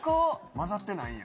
混ざってないんや。